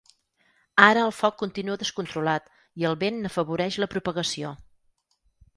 Ara el foc continua descontrolat i el vent n’afavoreix la propagació.